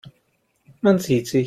Man sieht sich.